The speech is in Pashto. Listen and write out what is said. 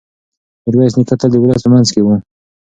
میرویس نیکه تل د ولس په منځ کې و.